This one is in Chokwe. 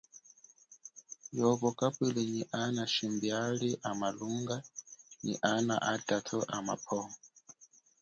Yobo kapwile nyi ana shimbiali a malunga, nyi ana atathu amapwo.